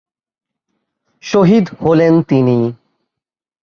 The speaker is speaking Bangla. শহীদ হলেন তিনি।